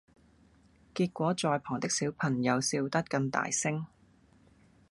結果在旁的小朋友笑得更大聲！